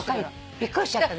びっくりしちゃったね。